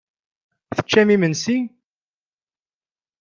Teččam imensi?